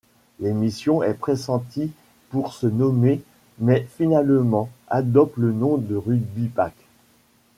L'émission est pressentie pour se nommer mais finalement adopte le nom de Rugby Pack.